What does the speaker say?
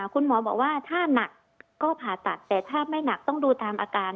คุณหมอบอกว่าถ้าหนักก็ผ่าตัดแต่ถ้าไม่หนักต้องดูตามอาการ